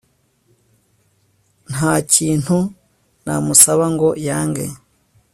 ntakintu namusaba ngo yange